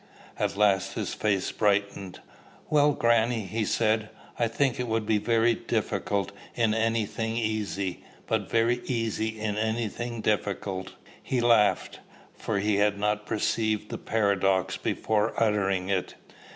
At last his face brightened. "Well, grannie," he said, "I think it would be very difficult in any thing easy, but very easy in any thing difficult." He laughed, for he had not perceived the paradox before uttering it.